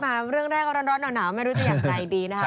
มาเรื่องแรกก็ร้อนหน่าไม่รู้จะอยากใดดีนะครับ